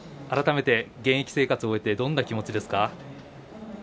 改めて現役生活を終えてどんなお気持ちですか？